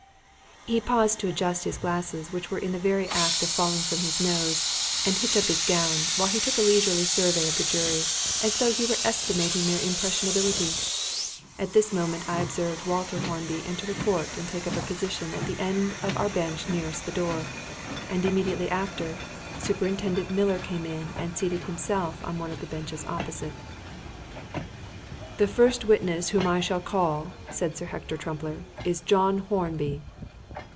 He paused to adjust his glasses, which were in the very act of falling from his nose, and hitch up his gown, while he took a leisurely survey of the jury, as though he were estimating their impressionability. At this moment I observed Walter Hornby enter the court and take up a position at the end of our bench nearest the door; and, immediately after, Superintendent Miller came in and seated himself on one of the benches opposite. "The first witness whom I shall call," said Sir Hector Trumpler, "is John Hornby."